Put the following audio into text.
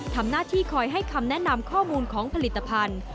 ทำหน้าที่คอยให้คำแนะนำข้อมูลของผลิตภัณฑ์